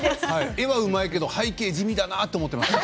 絵はうまいけど、背景は地味だなと思っていました。